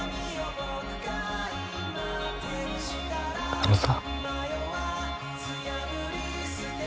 あのさ。